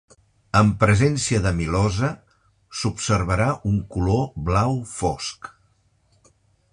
En presència d'amilosa, s'observarà un color blau fosc.